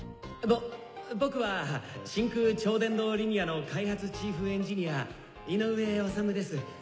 ぼ僕は真空超電導リニアの開発チーフエンジニア井上治です。